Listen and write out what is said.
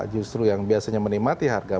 justru yang biasanya menikmati harga